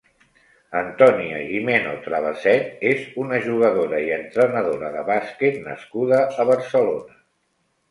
Antònia Gimeno Travesset és una jugadora i entrenadora de bàsquet nascuda a Barcelona.